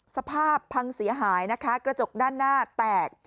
สภาพพังเสียหายนะคะกระจกด้านหน้าแตก